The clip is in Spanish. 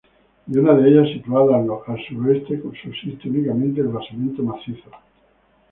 De una de ellas, situada al suroeste, subsiste únicamente el basamento macizo.